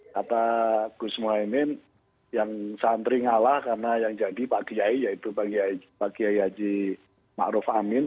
kata gus mohaimin yang santri ngalah karena yang jadi pak giyai yaitu pak giyai haji ma'ruf amin